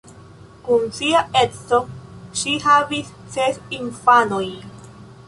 Kun sia edzo ŝi havis ses infanojn.